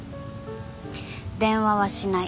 電話はしない。